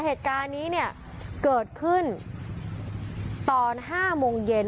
เหตุการณ์นี้เนี่ยเกิดขึ้นตอน๕โมงเย็น